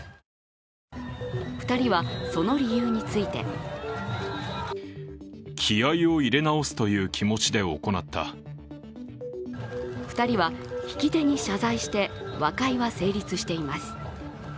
２人はその理由について２人は曳き手に謝罪して和解は成立しています。